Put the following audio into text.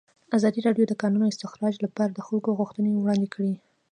ازادي راډیو د د کانونو استخراج لپاره د خلکو غوښتنې وړاندې کړي.